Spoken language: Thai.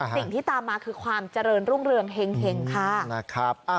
สิ่งที่ตามมาคือความเจริญรุ่งเรืองเห็งค่ะนะครับ